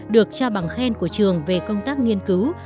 được trao bằng khen của trường về công tác nghiên cứu